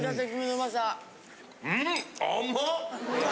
うん！